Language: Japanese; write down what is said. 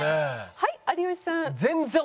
はい有吉さん。